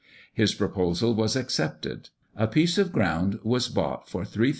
His proposal was accepted; a piece of ground was bought for £3,737 6_d.